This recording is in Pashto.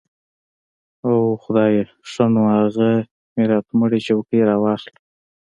اوح خدايه ښه نو اغه ميراتمړې چوکۍ راواخله.